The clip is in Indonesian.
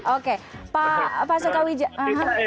oke pak soekar wijaya